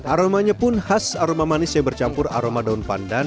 aromanya pun khas aroma manis yang bercampur aroma daun pandan